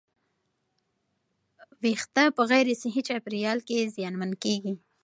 ویښتې په غیر صحي چاپېریال کې زیانمن کېږي.